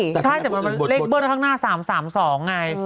ใช่แต่มันได้เล็กโบ๊ทเมื่อข้างหน้า๓๒ไง